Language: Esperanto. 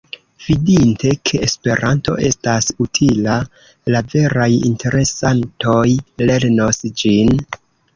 Vidinte, ke Esperanto estas utila, la veraj interesatoj lernos ĝin.